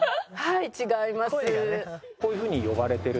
はい違います。